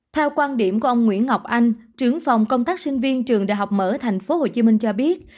theo quan điểm của ông nguyễn ngọc anh trưởng phòng công tác sinh viên trường đại học mở tp hcm cho biết